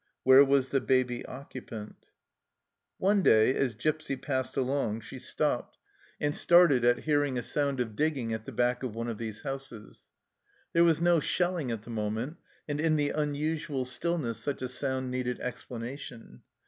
Where was the baby occupant ? One day, as Gipsy passed along, she stopped, and THE END OF 1914 171 started at hearing a sound of digging at the back of one of these houses. There was no shelling at the moment, and in the unusual stillness such a sound needed explanation.